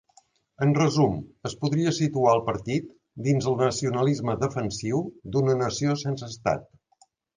En resum, es podria situar el partit dins el nacionalisme defensiu d'una nació sense estat.